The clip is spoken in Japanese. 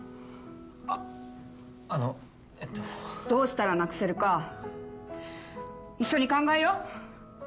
あっあのえっとどうしたらなくせるか一緒に考えよ？